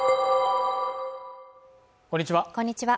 こんにちは